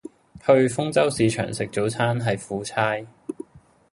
去豐洲市場食早餐係苦差